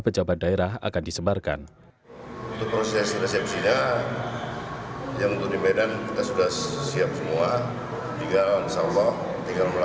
pesta adat akan digelar pada dua puluh enam november